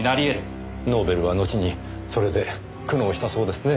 ノーベルはのちにそれで苦悩したそうですね。